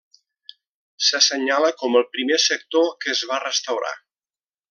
S'assenyala com el primer sector que es va restaurar.